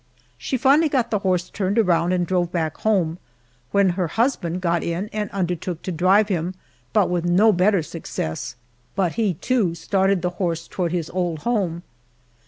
She finally got the horse turned around and drove back home, when her husband got in and undertook to drive him, but with no better success; but he, too, started the horse toward his old home.